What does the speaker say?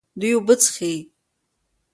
دوی اوبه څښي.